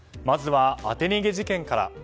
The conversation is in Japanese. まずは当て逃げ事件から。